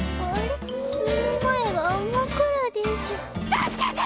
助けて！